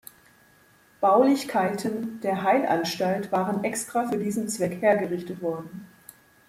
Baulichkeiten der Heilanstalt waren extra für diesen Zweck hergerichtet worden.